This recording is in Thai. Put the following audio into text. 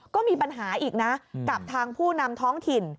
ก็มีปัญหาอีกนะกับทางผู้นำท้องถิ่น